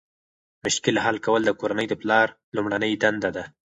مشکل حل کول د کورنۍ د پلار لومړنۍ دنده ده.